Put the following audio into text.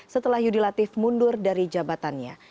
setelah yudi latif mundur dari jabatannya